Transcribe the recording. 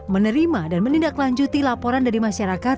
menerima dan menindaklanjuti laporan dari masyarakat